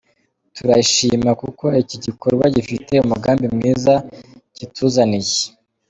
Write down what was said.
Turayishima kuko iki gikorwa gifite umugambi mwiza kituzaniye.